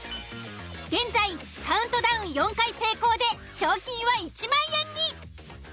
現在カウントダウン４回成功で賞金は１万円に。